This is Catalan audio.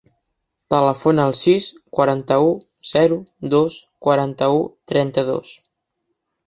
Telefona al sis, quaranta-u, zero, dos, quaranta-u, trenta-dos.